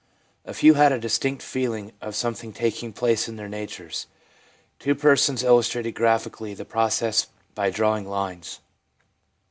A few had a distinct feeling of something taking place in their natures. Two persons illustrated graphically the pro cess by drawing lines.